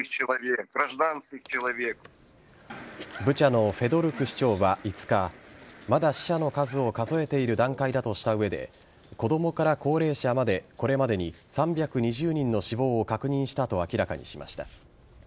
ブチャのフェドルク市長は５日まだ死者の数を数えている段階だとした上で子供から高齢者までこれまでに３２０人の死亡を確認したと明らかにしました。